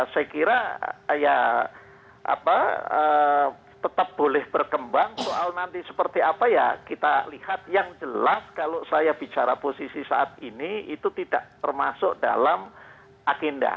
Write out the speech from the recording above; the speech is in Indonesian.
saya kira ya tetap boleh berkembang soal nanti seperti apa ya kita lihat yang jelas kalau saya bicara posisi saat ini itu tidak termasuk dalam agenda